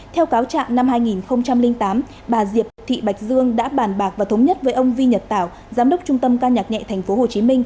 theo cáo trạng năm hai nghìn tám bà diệp thị bạch dương đã bàn bạc và thống nhất với ông vi nhật tảo giám đốc trung tâm ca nhạc nhẹ tp hcm